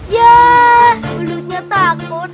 yah belutnya takut